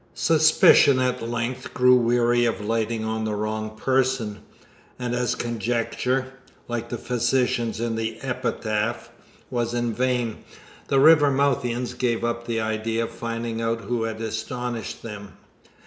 Suspicion at length grew weary of lighting on the wrong person, and as conjecture like the physicians in the epitaph was in vain, the Rivermouthians gave up the idea of finding out who had astonished them.